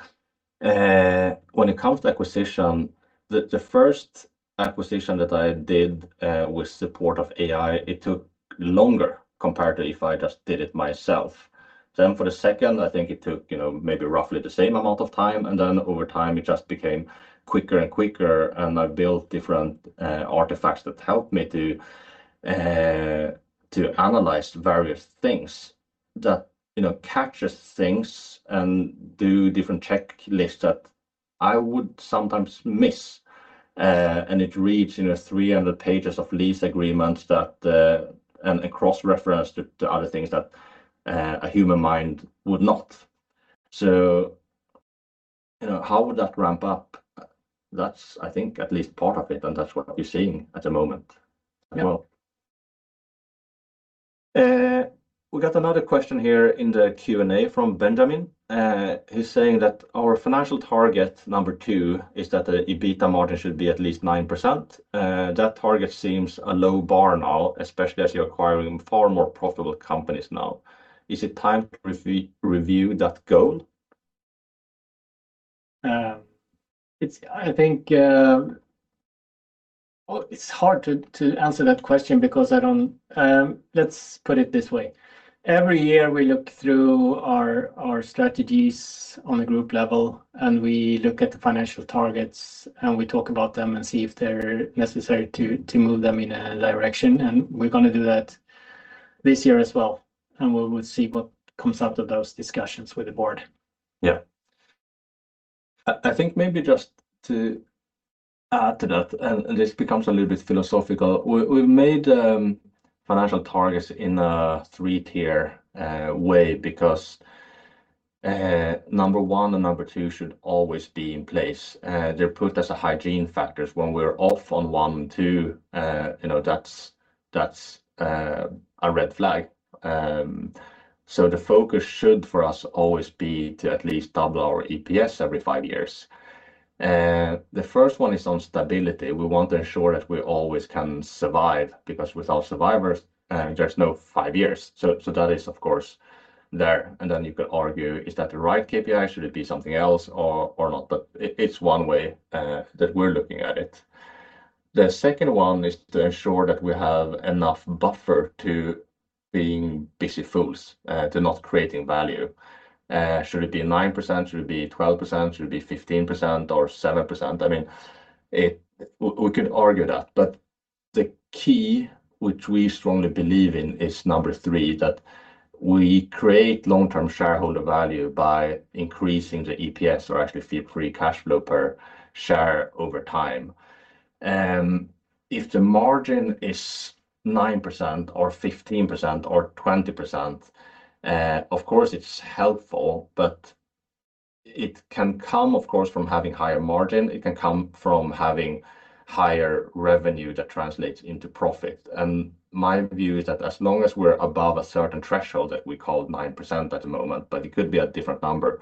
When it comes to acquisition, the first acquisition that I did with support of AI, it took longer compared to if I just did it myself. For the second, I think it took maybe roughly the same amount of time, over time it just became quicker and quicker. I built different artifacts that helped me to analyze various things that capture things and do different checklists that I would sometimes miss. It reads 300 pages of lease agreements and cross-reference to other things that a human mind would not. How would that ramp up? That's, I think, at least part of it, and that's what we're seeing at the moment as well. We got another question here in the Q&A from Benjamin. He's saying that our financial target number two is that the EBITDA margin should be at least 9%. That target seems a low bar now, especially as you're acquiring far more profitable companies now. Is it time to review that goal? It's hard to answer that question. Let's put it this way. Every year we look through our strategies on a group level. We look at the financial targets. We talk about them and see if they're necessary to move them in a direction. We're going to do that this year as well. We will see what comes out of those discussions with the board. Yeah. I think maybe just to add to that. This becomes a little bit philosophical. We've made financial targets in a 3-tier way because number one and number two should always be in place. They're put as a hygiene factors. When we're off on one and two, that's a red flag. The focus should, for us, always be to at least double our EPS every five years. The first one is on stability. We want to ensure that we always can survive because without survivors, there's no five years. That is, of course, there. You could argue, is that the right KPI? Should it be something else or not? It's one way that we're looking at it. The second one is to ensure that we have enough buffer to being busy fools, to not creating value. Should it be 9%? Should it be 12%? Should it be 15% or 7%? We could argue that. The key which we strongly believe in is number three, that we create long-term shareholder value by increasing the EPS or actually free cash flow per share over time. If the margin is 9% or 15% or 20%, of course, it's helpful. It can come, of course, from having higher margin. It can come from having higher revenue that translates into profit. My view is that as long as we're above a certain threshold that we called 9% at the moment. It could be a different number.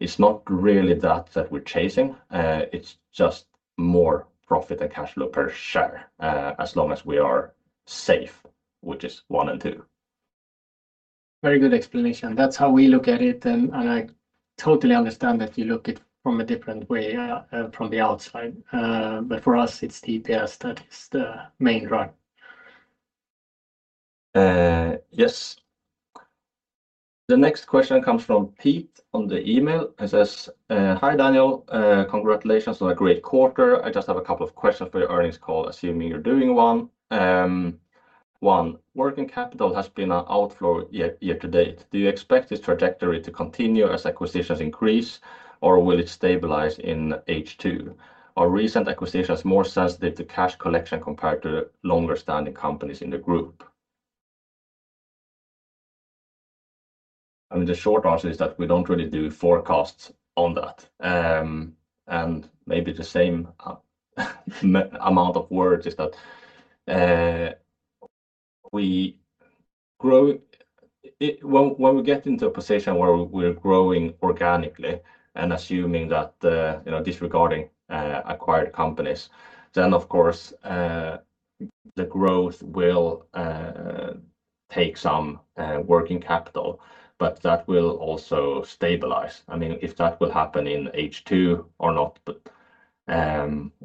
It's not really that that we're chasing. It's just more profit and cash flow per share. As long as we are safe, which is one and two. Very good explanation. That's how we look at it. I totally understand that you look it from a different way from the outside. For us, it's the EPS that is the main drive. Yes. The next question comes from Pete on the email. It says, "Hi, Daniel. Congratulations on a great quarter. I just have a couple of questions for your earnings call, assuming you're doing one. One, working capital has been an outflow year-to-date. Do you expect this trajectory to continue as acquisitions increase, or will it stabilize in H2? Are recent acquisitions more sensitive to cash collection compared to longer-standing companies in the group?" The short answer is that we don't really do forecasts on that. Maybe the same amount of words is that when we get into a position where we're growing organically and assuming that disregarding acquired companies, of course, the growth will take some working capital, but that will also stabilize. If that will happen in H2 or not,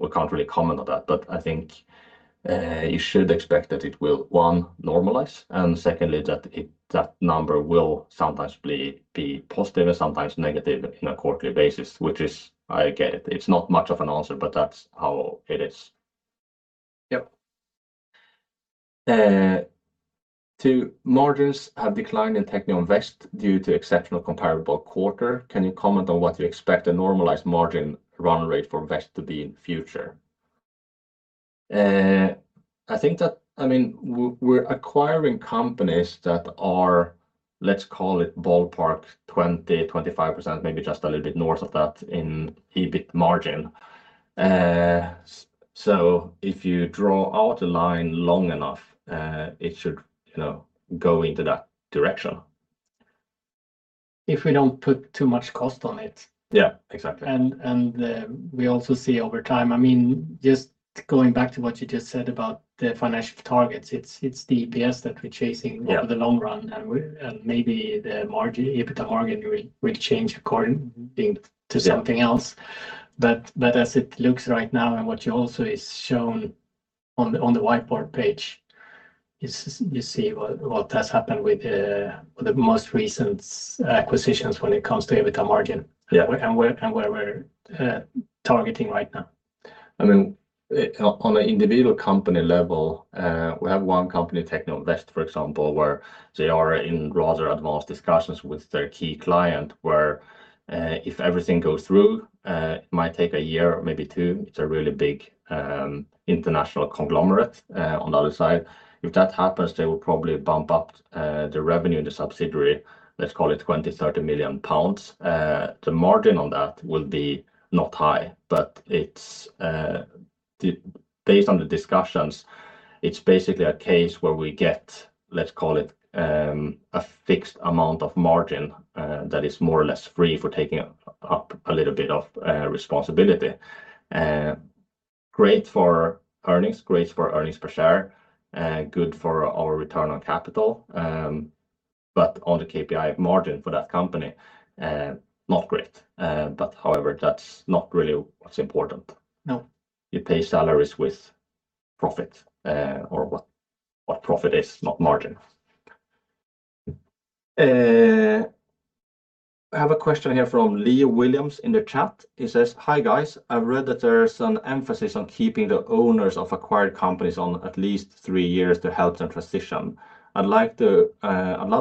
we can't really comment on that. I think you should expect that it will, one, normalize, and secondly, that that number will sometimes be positive and sometimes negative on a quarterly basis, which is, I get it. It's not much of an answer, but that's how it is. Two, margins have declined in Teqnion Väst due to exceptional comparable quarter. Can you comment on what you expect a normalized margin run rate for Väst to be in future? We're acquiring companies that are, let's call it ballpark 20%-25%, maybe just a little bit north of that in EBIT margin. If you draw out a line long enough, it should go into that direction. If we don't put too much cost on it. Yeah, exactly. We also see over time, just going back to what you just said about the financial targets, it's the EPS that we're chasing over the long run, and maybe the EBIT margin will change according to something else. As it looks right now, and what also is shown on the whiteboard page is you see what has happened with the most recent acquisitions when it comes to EBITA margin where we're targeting right now. On an individual company level, we have one company, Teqnion Väst, for example, where they are in rather advanced discussions with their key client, where if everything goes through, it might take a year or maybe two. It's a really big international conglomerate on the other side. If that happens, they will probably bump up the revenue in the subsidiary, let's call it 20 million-30 million pounds. The margin on that will be not high, based on the discussions, it's basically a case where we get, let's call it, a fixed amount of margin that is more or less free for taking up a little bit of responsibility. Great for earnings, great for earnings per share, good for our return on capital. On the KPI margin for that company, not great. However, that's not really what's important. No. You pay salaries with profit, or what profit is, not margin. I have a question here from Leo Williams in the chat. He says, "Hi, guys. I've read that there's an emphasis on keeping the owners of acquired companies on at least three years to help them transition. I'd love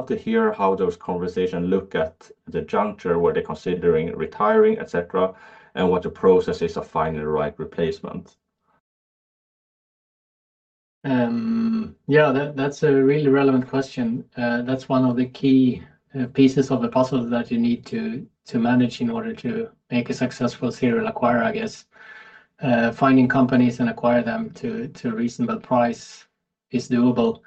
to hear how those conversations look at the juncture, were they considering retiring, et cetera, and what the process is of finding the right replacement. Yeah, that's a really relevant question. That's one of the key pieces of the puzzle that you need to manage in order to make a successful serial acquirer, I guess. Finding companies and acquire them to a reasonable price is doable.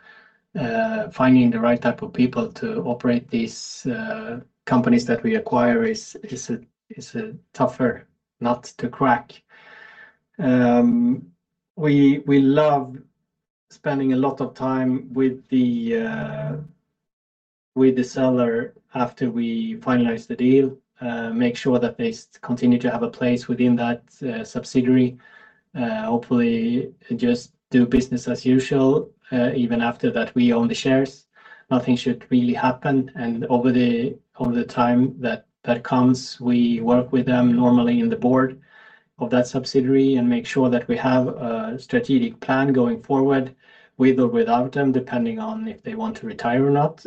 Finding the right type of people to operate these companies that we acquire is a tougher nut to crack. We love spending a lot of time with the seller after we finalize the deal, make sure that they continue to have a place within that subsidiary. Hopefully, just do business as usual. Even after that, we own the shares. Nothing should really happen, and over the time that comes, we work with them normally in the board of that subsidiary and make sure that we have a strategic plan going forward with or without them, depending on if they want to retire or not.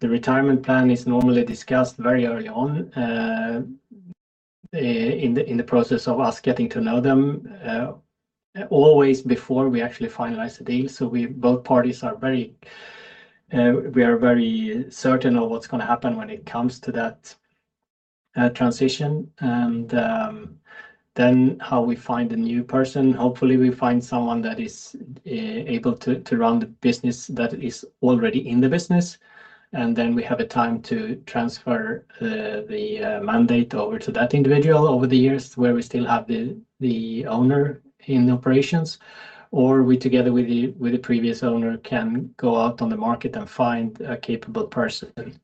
The retirement plan is normally discussed very early on in the process of us getting to know them, always before we actually finalize the deal. Both parties, we are very certain of what's going to happen when it comes to that transition. How we find a new person. Hopefully, we find someone that is able to run the business that is already in the business, then we have a time to transfer the mandate over to that individual over the years where we still have the owner in operations, or we together with the previous owner, can go out on the market and find a capable person.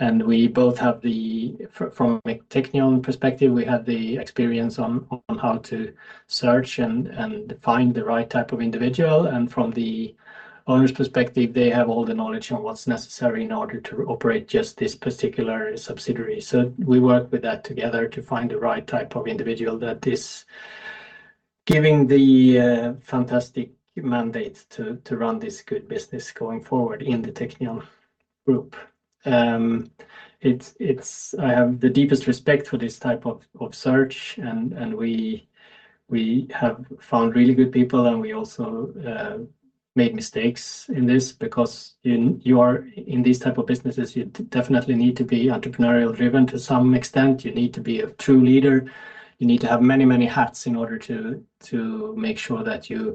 We both have the, from a Teqnion perspective, we have the experience on how to search and find the right type of individual. From the owner's perspective, they have all the knowledge on what's necessary in order to operate just this particular subsidiary. We work with that together to find the right type of individual that is giving the fantastic mandate to run this good business going forward in the Teqnion Group. I have the deepest respect for this type of search, we have found really good people, we also made mistakes in this because in these type of businesses, you definitely need to be entrepreneurial-driven to some extent. You need to be a true leader. You need to have many hats in order to make sure that you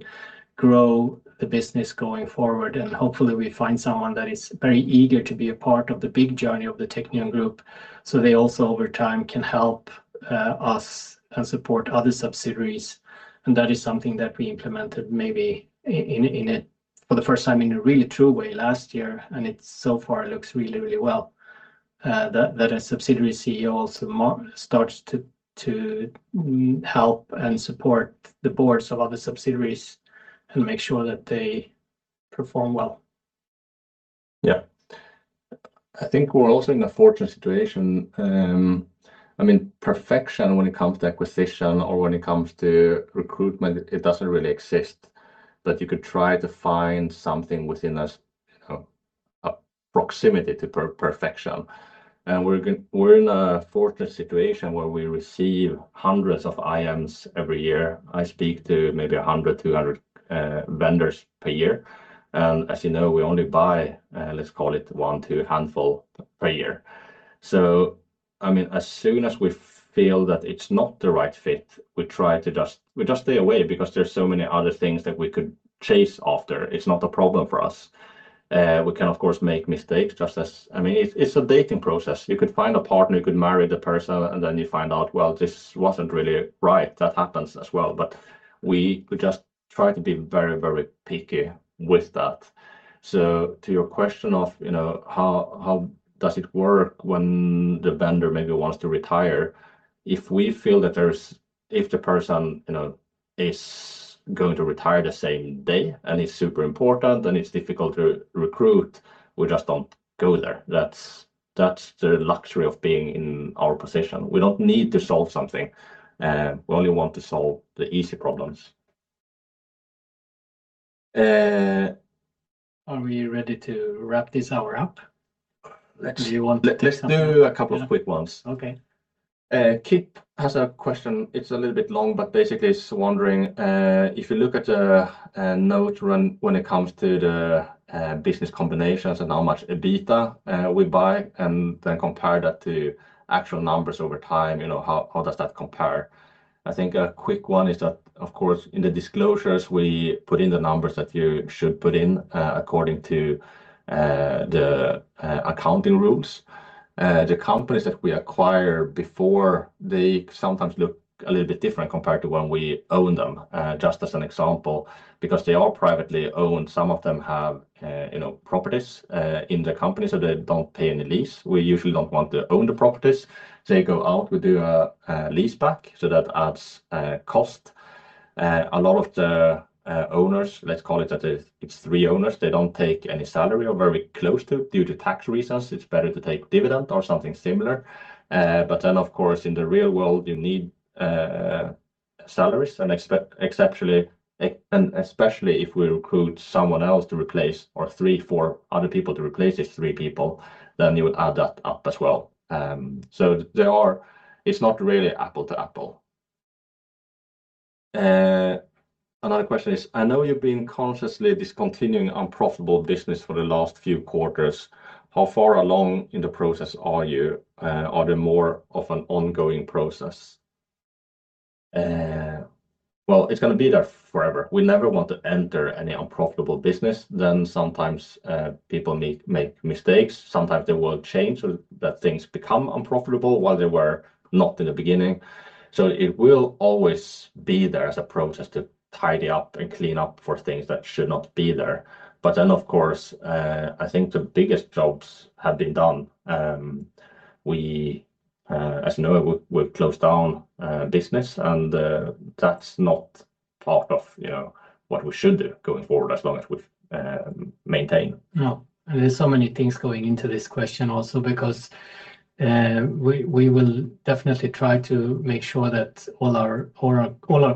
grow the business going forward. Hopefully, we find someone that is very eager to be a part of the big journey of the Teqnion Group. They also, over time, can help us and support other subsidiaries, that is something that we implemented maybe for the first time in a really true way last year. It so far looks really well, that a subsidiary CEO also starts to help and support the boards of other subsidiaries and make sure that they perform well. Yeah. I think we're also in a fortunate situation. Perfection when it comes to acquisition or when it comes to recruitment, it doesn't really exist. You could try to find something within a proximity to perfection. We're in a fortunate situation where we receive hundreds of IMs every year. I speak to maybe 100, 200 vendors per year. As you know, we only buy, let's call it one, two handful per year. As soon as we feel that it's not the right fit, we just stay away because there's so many other things that we could chase after. It's not a problem for us. We can, of course, make mistakes. It's a dating process. You could find a partner, you could marry the person, then you find out, well, this wasn't really right. That happens as well. We just try to be very picky with that. To your question of how does it work when the vendor maybe wants to retire? If we feel that if the person is going to retire the same day and it's super important, and it's difficult to recruit, we just don't go there. That's the luxury of being in our position. We don't need to solve something. We only want to solve the easy problems. Are we ready to wrap this hour up? Do you want? Let's do a couple of quick ones. Okay. Kip has a question. It's a little bit long, but basically he's wondering, if you look at Note when it comes to the business combinations and how much EBITA we buy, and then compare that to actual numbers over time, how does that compare? I think a quick one is that, of course, in the disclosures, we put in the numbers that you should put in, according to the accounting rules. The companies that we acquire before, they sometimes look a little bit different compared to when we own them. Just as an example, because they are privately owned, some of them have properties in the company, so they don't pay any lease. We usually don't want to own the properties. They go out, we do a leaseback. That adds cost. A lot of the owners, let's call it that it's three owners, they don't take any salary or very close to, due to tax reasons. It's better to take dividend or something similar. Of course, in the real world, you need salaries, and especially if we recruit someone else to replace, or three, four other people to replace these three people, you would add that up as well. It's not really apple to apple. Another question is, I know you've been consciously discontinuing unprofitable business for the last few quarters. How far along in the process are you? Are they more of an ongoing process? Well, it's going to be there forever. We never want to enter any unprofitable business. Sometimes, people make mistakes. Sometimes the world change so that things become unprofitable while they were not in the beginning. It will always be there as a process to tidy up and clean up for things that should not be there. Of course, I think the biggest jobs have been done. As you know, we've closed down business, and that's not part of what we should do going forward as long as we've maintained. No. There's so many things going into this question also because we will definitely try to make sure that all our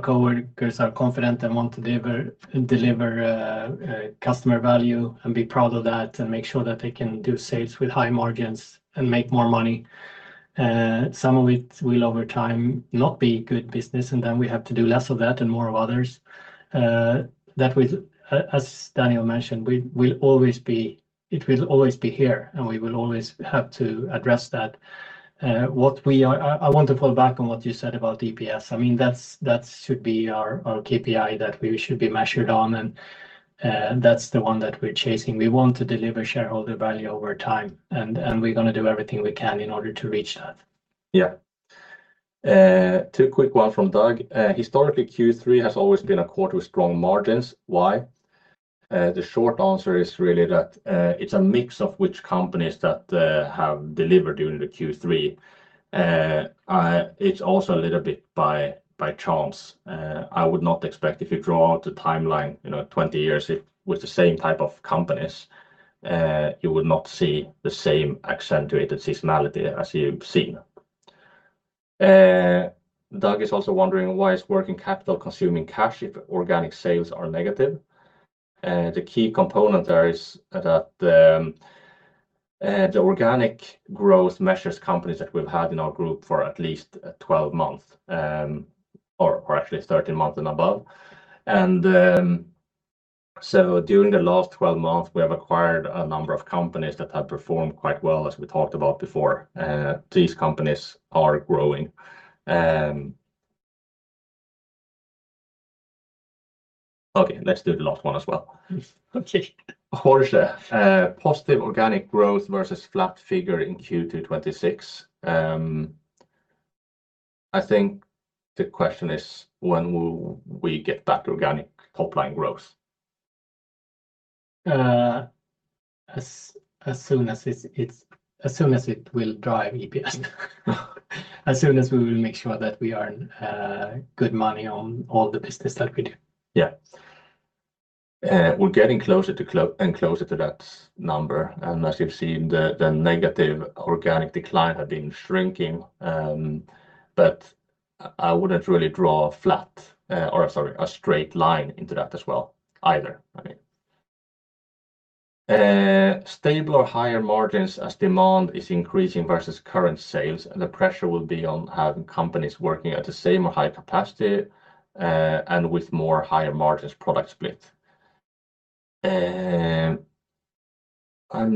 co-workers are confident and want to deliver customer value and be proud of that and make sure that they can do sales with high margins and make more money. Some of it will, over time, not be good business, and then we have to do less of that and more of others. As Daniel mentioned, it will always be here, and we will always have to address that. I want to fall back on what you said about EPS. That should be our KPI that we should be measured on, and that's the one that we're chasing. We want to deliver shareholder value over time, and we're going to do everything we can in order to reach that. Yeah. Two quick one from Doug. Historically, Q3 has always been a quarter with strong margins. Why? The short answer is really that it's a mix of which companies that have delivered during the Q3. It's also a little bit by chance. I would not expect if you draw out the timeline, 20 years with the same type of companies, you would not see the same accentuated seasonality as you've seen. Doug is also wondering why is working capital consuming cash if organic sales are negative? The key component there is that the organic growth measures companies that we've had in our group for at least 12 month, or actually 13 month and above. During the last 12 month, we have acquired a number of companies that have performed quite well, as we talked about before. These companies are growing. Okay, let's do the last one as well. Okay. Horst. Positive organic growth versus flat figure in Q2 2026. I think the question is, when will we get back organic top-line growth? As soon as it will drive EPS. As soon as we will make sure that we earn good money on all the business that we do. Yeah. We're getting closer and closer to that number. As you've seen, the negative organic decline had been shrinking. I wouldn't really draw a straight line into that as well either. Stable or higher margins as demand is increasing versus current sales. The pressure will be on having companies working at the same or high capacity, and with more higher margins product split. I'm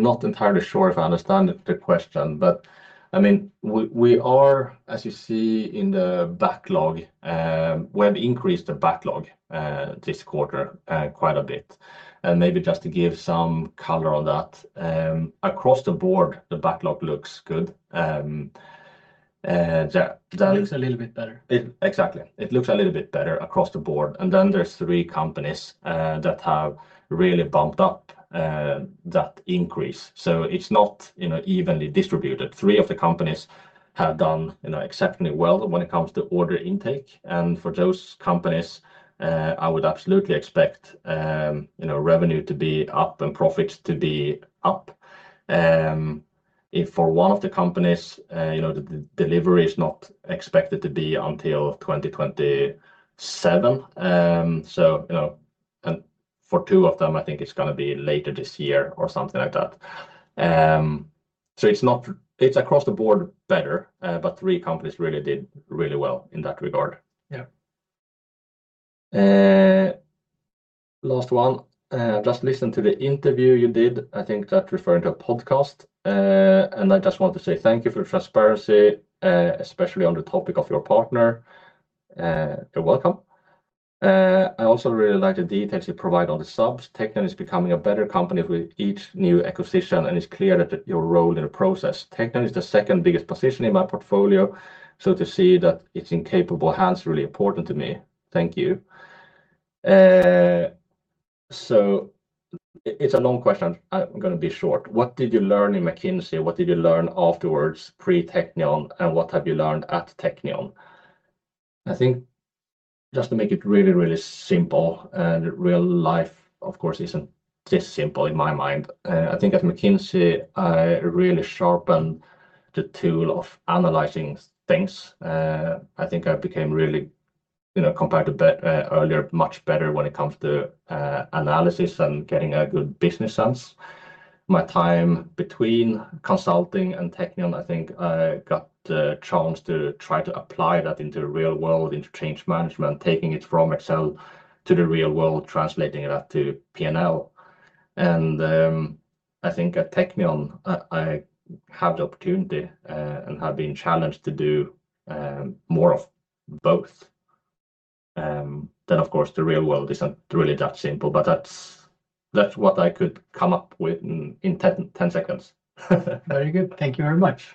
not entirely sure if I understand the question, we are, as you see in the backlog, we have increased the backlog this quarter quite a bit. Maybe just to give some color on that, across the board, the backlog looks good. It looks a little bit better. Exactly. It looks a little bit better across the board. Then there's three companies that have really bumped up that increase. It's not evenly distributed. Three of the companies have done exceptionally well when it comes to order intake. For those companies, I would absolutely expect revenue to be up and profits to be up. For one of the companies, the delivery is not expected to be until 2027. For two of them, I think it's going to be later this year or something like that. It's across the board better. Three companies really did really well in that regard. Yeah. Last one. Just listened to the interview you did, I think that referring to a podcast. I just want to say thank you for your transparency, especially on the topic of your partner. You're welcome. I also really like the details you provide on the subs. Teqnion is becoming a better company with each new acquisition, and it's clear your role in the process. Teqnion is the second biggest position in my portfolio, so to see that it's in capable hands is really important to me. Thank you. It's a long question. I'm going to be short. What did you learn in McKinsey? What did you learn afterwards, pre-Teqnion, and what have you learned at Teqnion? I think just to make it really simple, and real life, of course, isn't this simple in my mind. I think at McKinsey, I really sharpened the tool of analyzing things. I think I became really, compared to earlier, much better when it comes to analysis and getting a good business sense. My time between consulting and Teqnion, I think I got the chance to try to apply that into the real world, into change management, taking it from Excel to the real world, translating that to P&L. I think at Teqnion, I have the opportunity, and have been challenged to do more of both. Of course, the real world isn't really that simple, but that's what I could come up with in 10 seconds. Very good. Thank you very much.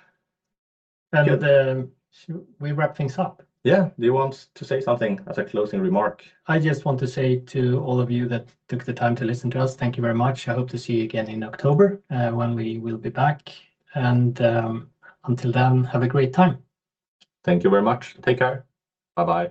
We wrap things up. Yeah. Do you want to say something as a closing remark? I just want to say to all of you that took the time to listen to us, thank you very much. I hope to see you again in October, when we will be back. Until then, have a great time. Thank you very much. Take care. Bye-bye.